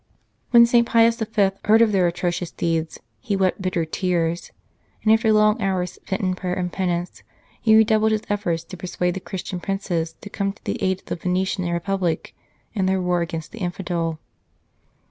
When St. Pius V. heard of their atrocious deeds, he wept bitter tears, and after long hours spent in prayer and penance he redoubled his efforts to persuade the Christian Princes to come to the aid of the Venetian Republic in their war against the infidel.